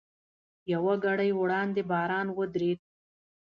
یوه ګړۍ وړاندې باران ودرېد.